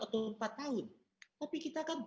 atau empat tahun tapi kita kan